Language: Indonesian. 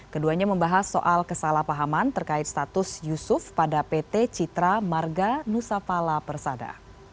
keduanya membahas soal kesalahpahaman terkait status yusuf pada pt citra marga nusapala persada